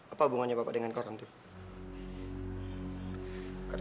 apa hubungannya bapak dengan koran itu